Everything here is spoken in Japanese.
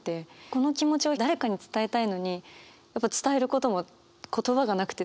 この気持ちを誰かに伝えたいのにやっぱ伝えることも言葉がなくてできなくて。